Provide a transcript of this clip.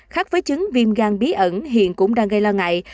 khác với chứng viêm gan bí ẩn hiện cũng đang gây lo ngại